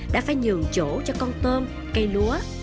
đã phải nhường chỗ cho con tôm cây lúa